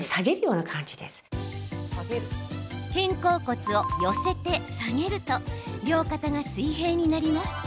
肩甲骨を寄せて下げると両肩が水平になります。